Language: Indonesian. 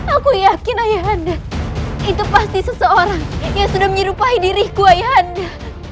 aku yakin ayah anda itu pasti seseorang yang sudah menyerupai diriku ayah anda